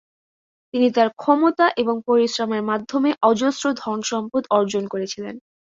তিনি তার ক্ষমতা এবং পরিশ্রমের মাধ্যমে অজস্র ধন সম্পদ অর্জন করেছিলেন।